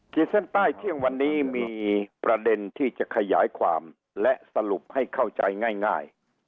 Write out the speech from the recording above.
เส้นใต้เที่ยงวันนี้มีประเด็นที่จะขยายความและสรุปให้เข้าใจง่าย